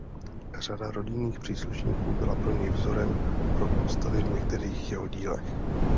Řada rodinných příslušníků byla pro něj vzorem pro postavy v některých jeho dílech.